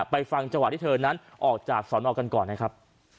ฟังจังหวะที่เธอนั้นออกจากสอนอกันก่อนนะครับ